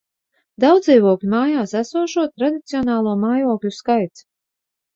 Daudzdzīvokļu mājās esošo tradicionālo mājokļu skaits